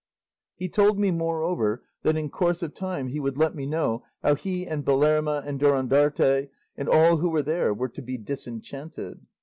He told me, moreover, that in course of time he would let me know how he and Belerma, and Durandarte, and all who were there, were to be disenchanted.